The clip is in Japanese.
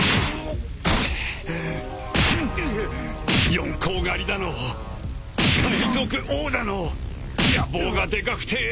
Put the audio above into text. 四皇狩りだの海賊王だの野望がでかくて結構だ！